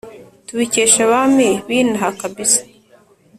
tubikesha abami binaha kabisa